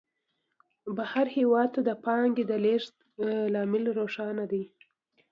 بهر هېواد ته د پانګې د لېږد لامل روښانه دی